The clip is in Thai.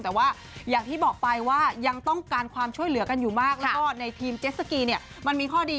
แต่ว่าอย่างที่บอกไปว่ายังต้องการความช่วยเหลือกันอยู่มากแล้วก็ในทีมเจสสกีเนี่ยมันมีข้อดี